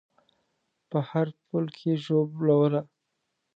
په هر پل کې ژوبلوله